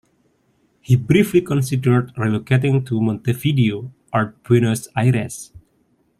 He briefly considered relocating to Montevideo or Buenos Aires.